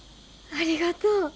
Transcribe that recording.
ありがとう。